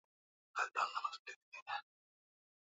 Beseni la Malagarasi lina eneo la kilomita za mraba